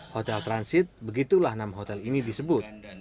hotel transit begitulah enam hotel ini disebut